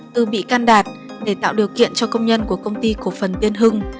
từ bị can đạt để tạo điều kiện cho công nhân của công ty cổ phần tiên hưng